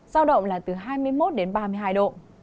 giao động là từ hai mươi một đến ba mươi hai độ